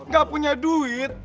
gak punya duit